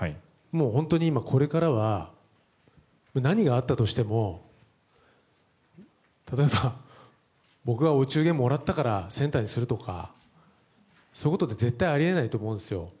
今、これからは何があったとしても例えば僕がお中元をもらったからセンターにするとかそういうことは絶対にあり得ないと思うんですよ。